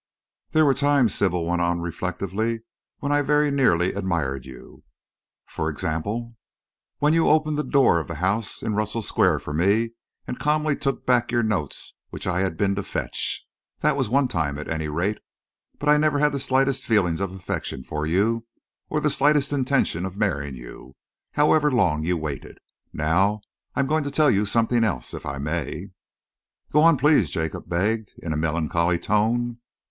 "There were times," Sybil went on reflectively, "when I very nearly admired you." "For example?" "When you opened the door of the house in Russell Square for me and calmly took back your notes which I had been to fetch. That was one time, at any rate. But I never had the slightest feeling of affection for you, or the slightest intention of marrying you, however long you waited. Now I am going to tell you something else, if I may." "Go on, please," Jacob begged, in a melancholy tone.